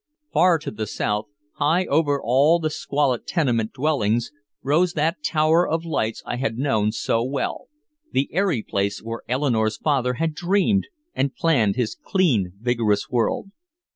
Far to the south, high over all the squalid tenement dwellings, rose that tower of lights I had known so well, the airy place where Eleanore's father had dreamed and planned his clean vigorous world.